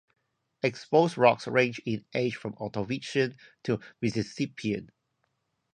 Exposed rocks range in age from Ordovician to Mississippian.